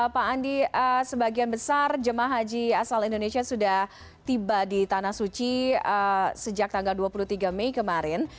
pak andi sebagian besar jemaah haji asal indonesia sudah tiba di tanah suci sejak tanggal dua puluh tiga mei kemarin